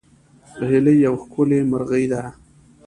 هیلۍ یوه ښکلې مرغۍ ده